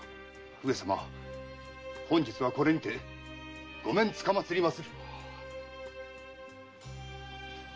上様本日はこれにて御免つかまつりまする。